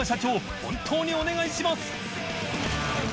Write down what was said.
本当にお願いします！